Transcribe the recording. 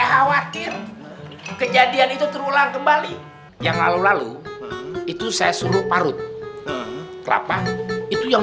khawatir kejadian itu terulang kembali yang lalu lalu itu saya suruh parut kelapa itu yang